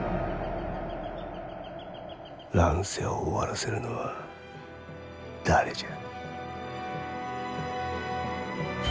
乱世を終わらせるのは誰じゃ。